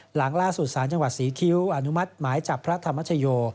หลังล่าสุดสารจังหวัดศรีคิ้วอนุมัติหมายจับพระธรรมชโย